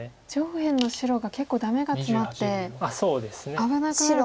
上辺の白が結構ダメがツマって危なくなる可能性が。